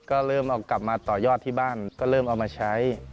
ก็เริ่มเอากลับมาต่อยอดที่บ้านก็เริ่มเอามาใช้